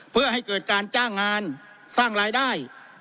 เพื่อให้เกิดการจ้างงานสร้างรายได้